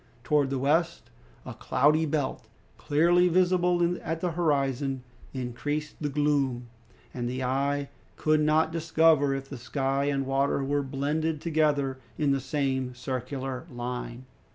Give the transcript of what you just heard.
Towards the west, a cloudy belt, clearly visible at the horizon, increased the gloom, and the eye could not discover if the sky and water were blended together in the same circular line.